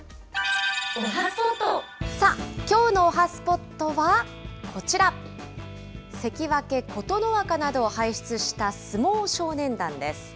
さあ、きょうのおはＳＰＯＴはこちら、関脇・琴ノ若などを輩出した相撲少年団です。